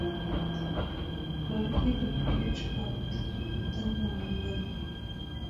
Мый тидым кеч пырт да муам гын